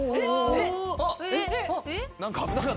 あっ。